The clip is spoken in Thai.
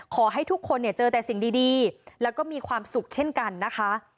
ขอให้ทุกคนเนี่ยเจอแต่สิ่งดีแล้วก็มีความสุขเช่นกันนะคะ